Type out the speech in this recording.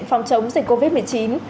phòng chống dịch covid một mươi chín